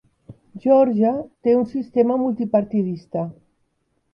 Geòrgia té un sistema multipartidista.